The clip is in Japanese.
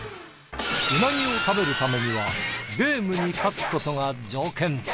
うなぎを食べるためにはゲームに勝つことが条件。